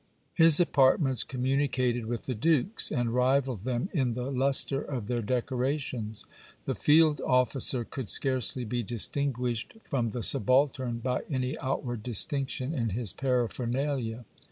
His apartments communicated with the duke's, and rivalled them in the lustre of their decorations. The field officer could scarcely be distinguished from the subaltern by any outward distinction in his paraphernalia.